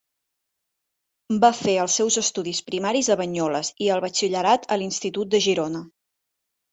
Va fer els seus estudis primaris a Banyoles i el batxillerat a l'Institut de Girona.